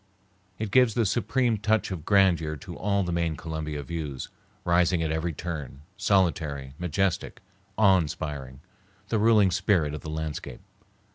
It gives the supreme touch of grandeur to all the main Columbia views, rising at every turn, solitary, majestic, awe inspiring, the ruling spirit of the landscape.